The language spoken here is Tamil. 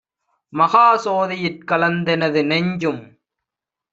மாகாசோதி யிற்கலந்த தெனது நெஞ்சும்!